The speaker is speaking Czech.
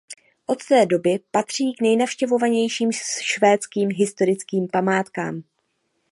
Od té doby patří k nejnavštěvovanějším švédským historickým památkám.